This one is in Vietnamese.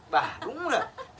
bà đúng rồi